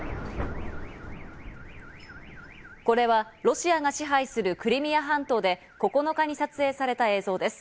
これはロシアが支配するクリミア半島で９日に撮影された映像です。